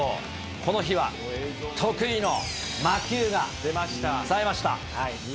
この日は得意の魔球がさえました。